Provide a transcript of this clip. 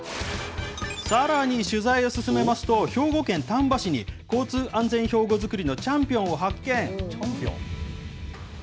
さらに取材を進めますと、兵庫県丹波市に、交通安全標語作りのチャンピオンを発見。